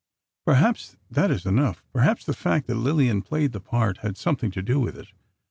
Perhaps that is enough; perhaps the fact that Lillian played the part had something to do with it.